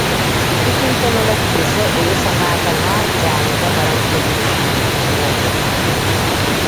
Ити күнтэн ыла Киэсэ өйө-санаата наар Дьааҥыга баран кэлии туһунан буолла